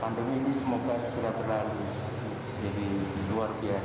pandemi ini semoga setidaknya jadi luar biasa